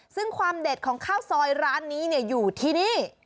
ซึ่งความเด็ดของข้าวซอยร้านนี้อยู่ที่นี่